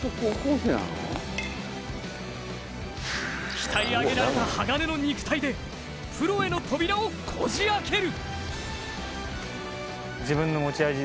鍛え上げられた鋼の肉体でプロへの扉をこじ開ける。